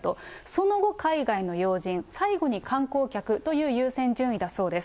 その後、海外の要人、最後に観光客という優先順位だそうです。